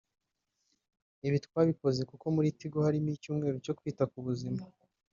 ibi twabikoze kubera ko muri Tigo harimo icyumweru cyo kwita ku buzima